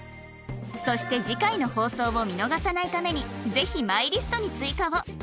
そして次回の放送を見逃さないためにぜひマイリストに追加を